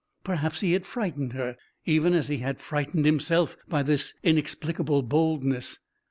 Perhaps he had frightened her, even as he had frightened himself, by this inexplicable boldness.